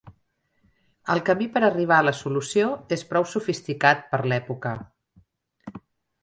El camí per arribar a la solució és prou sofisticat per l'època.